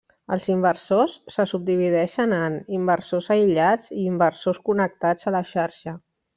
Els inversors se subdivideixen en: inversors aïllats i inversors connectats a la xarxa.